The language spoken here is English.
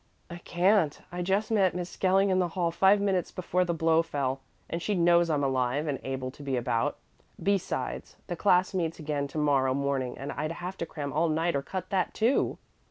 "I can't. I just met Miss Skelling in the hall five minutes before the blow fell, and she knows I'm alive and able to be about; besides, the class meets again to morrow morning, and I'd have to cram all night or cut that too."